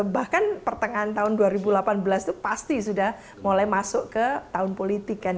bahkan pertengahan tahun dua ribu delapan belas itu pasti sudah mulai masuk ke tahun politik kan